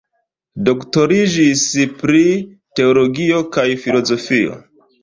Doktoriĝis pri teologio kaj filozofio.